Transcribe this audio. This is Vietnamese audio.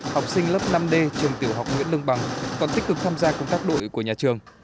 học sinh lớp năm d trường tiểu học nguyễn lương bằng còn tích cực tham gia công tác đội của nhà trường